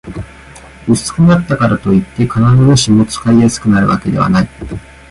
薄くなったからといって、必ずしも使いやすくなるわけではない